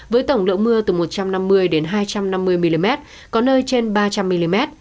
với tổng lượng mưa từ một trăm năm mươi hai trăm năm mươi mm có nơi trên ba trăm linh mm